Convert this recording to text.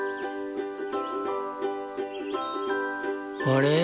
あれ？